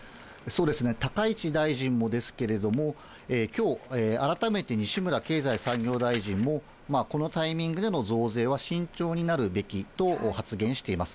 高市大臣もですけれども、きょう、改めて西村経済産業大臣も、このタイミングでの増税は慎重になるべきと発言しています。